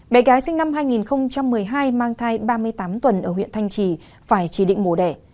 bé gái sinh năm hai nghìn một mươi hai mang thai ba mươi tám tuần ở huyện thanh trì phải chỉ định mổ đẻ